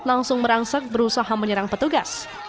langsung merangsak berusaha menyerang petugas